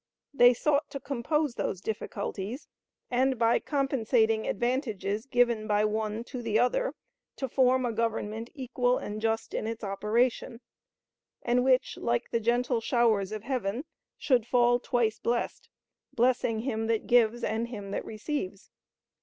They sought to compose those difficulties, and, by compensating advantages given by one to the other, to form a Government equal and just in its operation, and which, like the gentle showers of heaven, should fall twice blessed, blessing him that gives and him that receives.